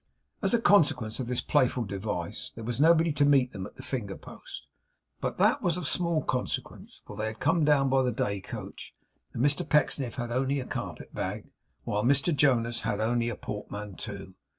As a consequence of this playful device, there was nobody to meet them at the finger post, but that was of small consequence, for they had come down by the day coach, and Mr Pecksniff had only a carpetbag, while Mr Jonas had only a portmanteau.